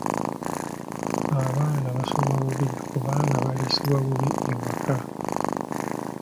Abaana basoma bubi kubanga baliisibwa bubi ewaka.